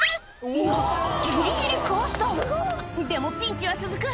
いやギリギリかわしたでもピンチは続く